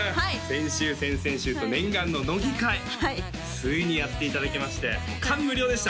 先週先々週と念願の乃木回ついにやっていただきまして感無量でした！